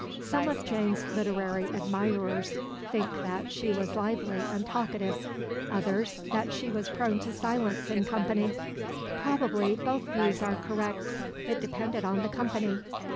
Some of Jane's literary admirers think that she was lively and talkative, others that she was prone to silence in company. Probably both views are correct. It depended on the company.